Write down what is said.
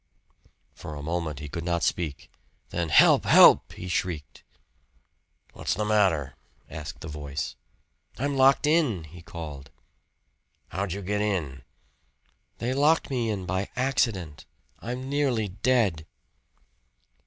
For a moment he could not speak. Then "Help! Help!" he shrieked. "What's the matter?" asked the voice. "I'm locked in," he called. . "How'd you get in?" "They locked me in by accident. I'm nearly dead."